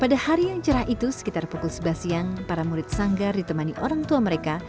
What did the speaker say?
pada hari yang cerah itu sekitar pukul sebelas siang para murid sanggar ditemani orang tua mereka